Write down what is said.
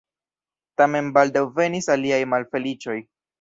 Tamen baldaŭ venis aliaj malfeliĉoj.